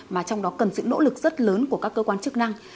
mà trong đó cần sự nỗ lực rất lớn của các cơ quan chức năng